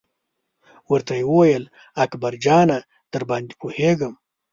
ورته یې وویل: اکبر جانه درباندې پوهېږم.